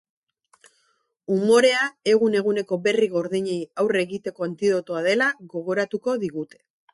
Umorea egun-eguneko berri gordinei aurre egiteko antidotoa dela gogoratuko digute.